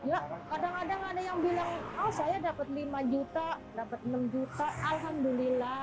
ya kadang kadang ada yang bilang oh saya dapat lima juta dapat enam juta alhamdulillah